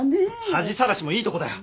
恥さらしもいいとこだよ。